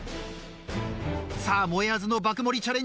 さあもえあずの爆盛りチャレンジ。